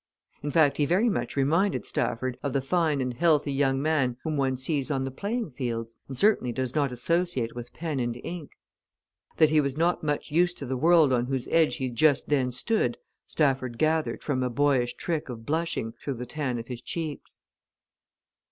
In fact he very much reminded Stafford of the fine and healthy young man whom one sees on the playing fields, and certainly does not associate with pen and ink. That he was not much used to the world on whose edge he just then stood Stafford gathered from a boyish trick of blushing through the tan of his cheeks.